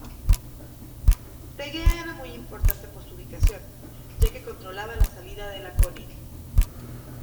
Tegea era muy importante por su ubicación ya que controlaba la salida de Laconia.